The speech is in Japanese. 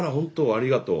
ありがとう。